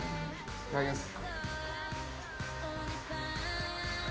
いただきます